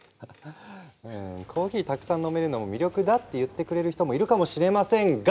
コーヒーたくさん飲めるのも魅力だって言ってくれる人もいるかもしれませんが！